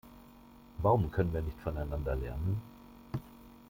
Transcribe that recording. Warum können wir nicht voneinander lernen?